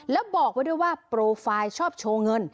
แล้วบอกไว้ด้วยว่าโปรไฟล์ชอบโชว์เงิน